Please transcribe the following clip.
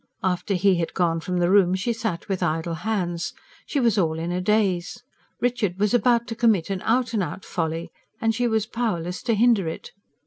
After he had gone from the room she sat with idle hands. She was all in a daze. Richard was about to commit an out and out folly, and she was powerless to hinder it.